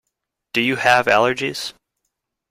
Do you have allergies?